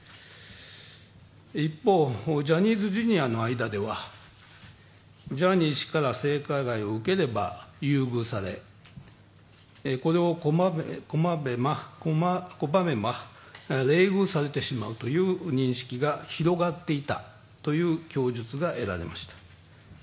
一方、ジャニーズＪｒ．の間ではジャニー氏から性加害を受ければ優遇されこれを拒めば冷遇されてしまうという認識が広がっていたという供述が得られました。